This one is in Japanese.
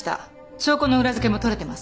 証拠の裏付けも取れてます。